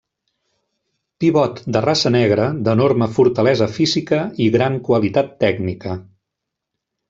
Pivot de raça negra, d'enorme fortalesa física i gran qualitat tècnica.